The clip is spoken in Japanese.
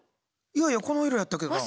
いやいやこの色やったけどな。